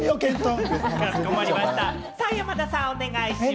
菊池さん、お願いします。